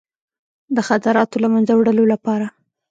د خطراتو له منځه وړلو لپاره.